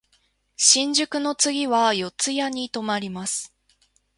新宿の次は四谷に止まります。